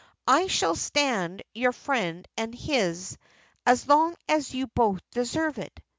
I shall stand your friend and his, as long as you both deserve it.